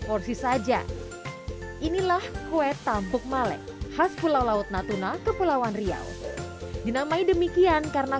porsi saja inilah kue tambuk malek khas pulau laut natuna kepulauan riau dinamai demikian karena